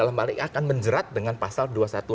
menjerat dengan pasal dua ratus enam belas